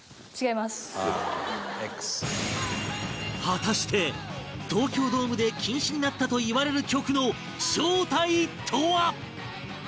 果たして東京ドームで禁止になったといわれる曲の正体とは？